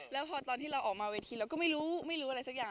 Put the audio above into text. แล้วพอตอนที่เราออกมาเวทีเราก็ไม่รู้ไม่รู้อะไรสักอย่าง